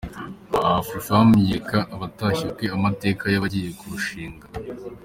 Afrifame yereka abatashye ubukwe amateka y’abagiye kurushinga .